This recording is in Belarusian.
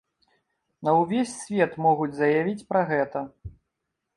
На ўвесь свет могуць заявіць пра гэта.